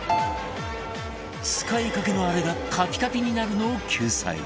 使いかけのあれがカピカピになるのを救済！